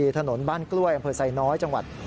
ถนนบ้านกล้วยอำเภอไซน้อยจังหวัด